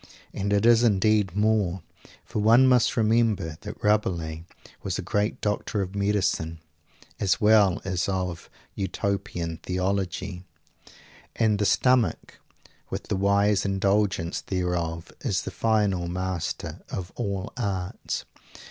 And it is indeed more, for one must remember that Rabelais was a great doctor of medicine, as well as of Utopian Theology and the stomach, with the wise indulgence thereof, is the final master of all arts!